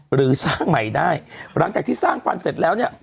หรือสร้างใหม่ได้หลังจากที่สร้างฟันเสร็จแล้วเนี่ย